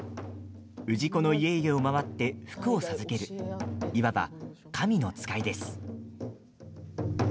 氏子の家々を回って福を授けるいわば、神の使いです。